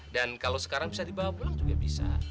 dan kalau sekarang bisa dibawa pulang juga bisa